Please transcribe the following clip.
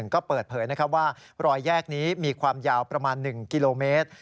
ก็เปิดเผยว่ารอยแยกนี้มีความยาวประมาณ๑กิโลเมตร